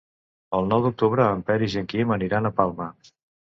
El nou d'octubre en Peris i en Quim aniran a Palma.